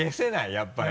やっぱり。